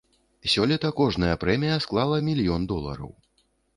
Сёлета кожная прэмія склала мільён долараў.